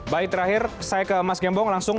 baik terakhir saya ke mas gembong langsung